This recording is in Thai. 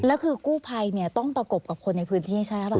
แล้วคือกู้ภัยเนี่ยต้องประกบกับคนในพื้นที่ใช่หรือเปล่า